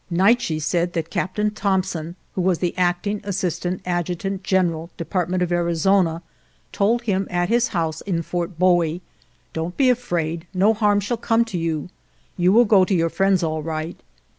"Naiche said that Captain Thompson, who was the acting assistant adjutant gen eral, Department of Arizona, told him at his house in Fort Bowie, ' Don't be afraid ; no harm shall come to you. You will go to your friends all right.'